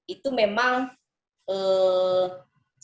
itu memang secara